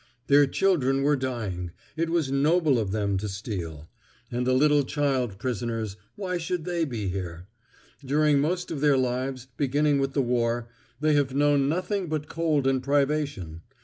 Their children were dying; it was noble of them to steal. And the little child prisoners, why should they be here? During most of their lives, beginning with the war, they have known nothing but cold and privation.